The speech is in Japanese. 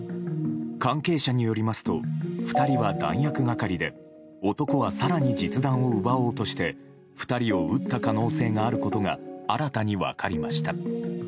関係者によりますと２人は弾薬係で男は更に実弾を奪おうとして２人を撃った可能性があることが新たに分かりました。